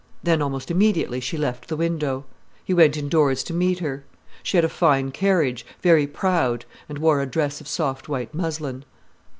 Then almost immediately she left the window. He went indoors to meet her. She had a fine carriage, very proud, and wore a dress of soft white muslin.